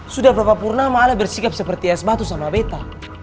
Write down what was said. sudah berapa purnama ale bersikap seperti es batu sama betta